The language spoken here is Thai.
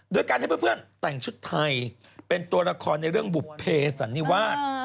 โดยการให้เพื่อนแต่งชุดไทยเป็นตัวละครในเรื่องบุภเพสันนิวาส